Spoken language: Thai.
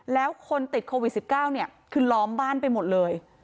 แล้วคนติดโควิด๑๙เนี่ยคือล้อมบ้านไปหมดเลย